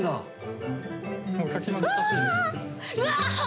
うわ！